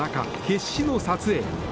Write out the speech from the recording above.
決死の撮影。